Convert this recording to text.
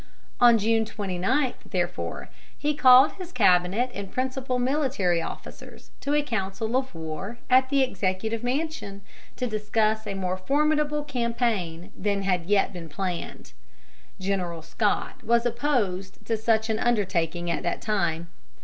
On June 29, therefore, he called his cabinet and principal military officers to a council of war at the Executive Mansion, to discuss a more formidable campaign than had yet been planned. General Scott was opposed to such an undertaking at that time.